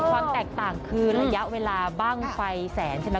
ความแตกต่างคือระยะเวลาบ้างไฟแสนใช่ไหม